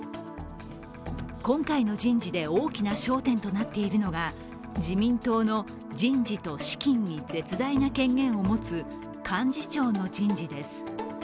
今回の人事で大きな焦点となっているのが自民党の人事と資金に絶大な権限を持つ幹事長の人事です。